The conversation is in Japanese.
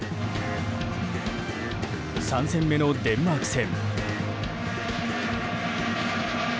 ３戦目のデンマーク戦。